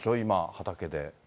畑で。